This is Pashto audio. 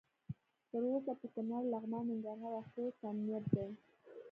تر اوسه په کنړ، لغمان، ننګرهار او خوست امنیت دی.